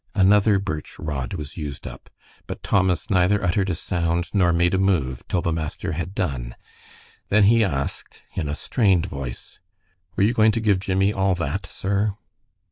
Another birch rod was used up, but Thomas neither uttered a sound nor made a move till the master had done, then he asked, in a strained voice, "Were you going to give Jimmie all that, sir?"